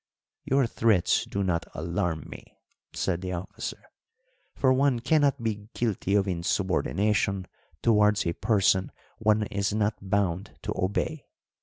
"Your threats do not alarm me," said the officer; "for one cannot be guilty of insubordination towards a person one is not bound to obey.